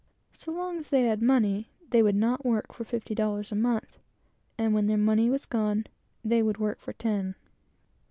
So long as they had money, they would not work for fifty dollars a month, and when their money was gone, they would work for ten.